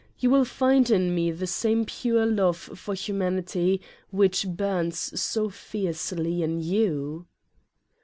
You will find in me the same pure love for humanity which burns so fiercely in you."